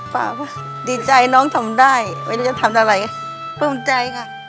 ป้าก็ดีใจน้องทำได้ไม่รู้จะทำอะไรปลื้มใจค่ะ